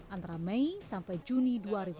antara mei sampai juni dua ribu sepuluh